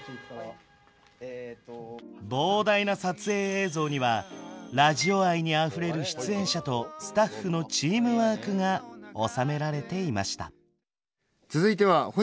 膨大な撮影映像にはラジオ愛にあふれる出演者とスタッフのチームワークが収められていました。